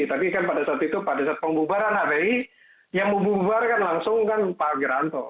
tapi kan pada saat itu pada saat pembubaran hbi yang mau bubar kan langsung kan pak geranto